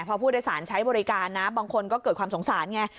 พอผู้โดยสารใช้บริการนะบางคนก็เกิดความสงสารไง